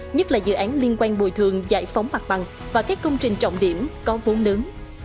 nhất là dự án liên quan bồi thường giải phóng mặt bằng và các công trình trọng điểm có vốn lớn